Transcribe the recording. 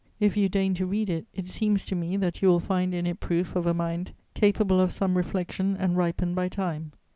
If you deign to read it, it seems to me that you will find in it proof of a mind capable of some reflection and ripened by time.